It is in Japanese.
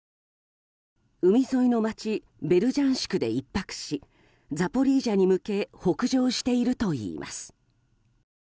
海沿いの街ベルジャンシクで１泊しザポリージャに向け北上しているといいます。